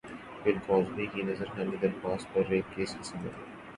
بل Cosby کی نظرثانی درخواست پر ریپ کیس کی سماعت